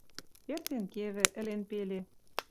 Эртен кевӹ, ӹлен пеле